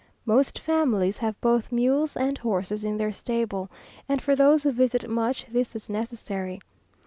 Most families have both mules and horses in their stable, and for those who visit much this is necessary.